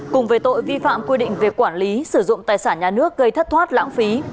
cùng về tội vi phạm quy định về quản lý sử dụng tài sản nhà nước gây thất thoát lãng phí